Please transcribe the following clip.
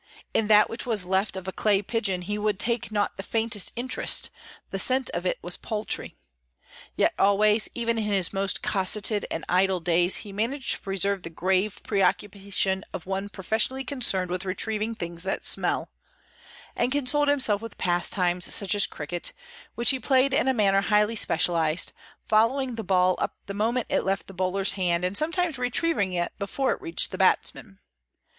In that which was left of a clay pigeon he would take not the faintest interest—the scent of it was paltry. Yet always, even in his most cosseted and idle days, he managed to preserve the grave preoccupation of one professionally concerned with retrieving things that smell; and consoled himself with pastimes such as cricket, which he played in a manner highly specialised, following the ball up the moment it left the bowler's hand, and sometimes retrieving it before it reached the batsman.